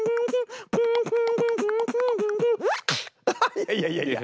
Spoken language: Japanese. いやいやいやいや！